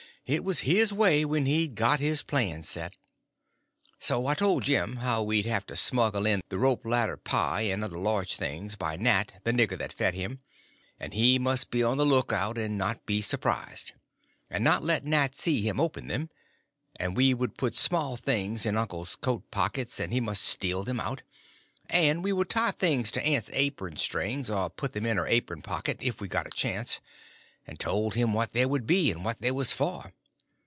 It was his way when he'd got his plans set. So he told Jim how we'd have to smuggle in the rope ladder pie and other large things by Nat, the nigger that fed him, and he must be on the lookout, and not be surprised, and not let Nat see him open them; and we would put small things in uncle's coat pockets and he must steal them out; and we would tie things to aunt's apron strings or put them in her apron pocket, if we got a chance; and told him what they would be and what they was for.